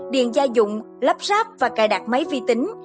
điện gia dụng lắp ráp và cài đặt máy vi tính